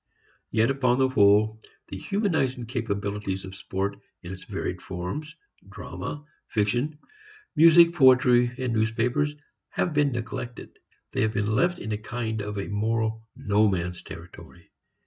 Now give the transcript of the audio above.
Yet upon the whole the humanizing capabilities of sport in its varied forms, drama, fiction, music, poetry, newspapers have been neglected. They have been left in a kind of a moral no man's territory.